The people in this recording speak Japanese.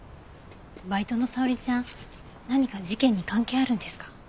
バイトの沙織ちゃん何か事件に関係あるんですか？